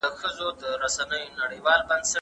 کوم پروګرام ستاسو لپاره ډېر ستونزمن دی؟